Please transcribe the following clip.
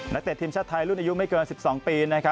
เตะทีมชาติไทยรุ่นอายุไม่เกิน๑๒ปี